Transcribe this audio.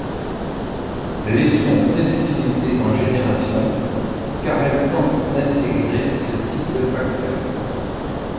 Les sont très utilisées en génération, car elles tentent d'intégrer ce type de facteurs.